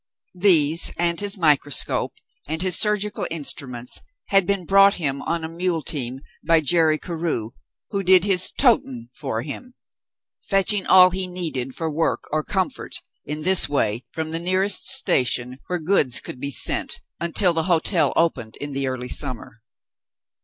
These and his microscope and his surgical instruments had been brought him on a mule team by Jerry Carew, who did his "toting" for him, fetching all he needed for work or comfort, in this way, from the nearest station where goods could be sent until the hotel opened in the early summer.